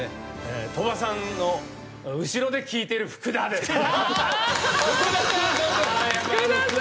鳥羽さんの後ろで聴いてる福田ですね。